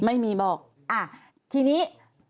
ไม่มีบอกอ่ะทีนี้